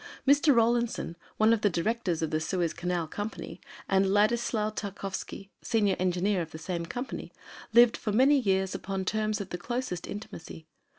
Mr. Rawlinson, one of the directors of the Suez Canal Company, and Ladislaus Tarkowski, senior engineer of the same company, lived for many years upon terms of the closest intimacy.